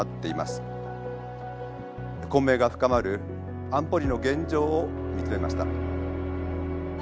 混迷が深まる安保理の現状を見つめました。